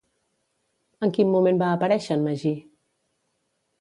En quin moment va aparèixer en Magí?